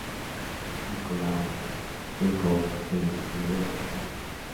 Nikolai-Friedhof en Hannover, Alemania.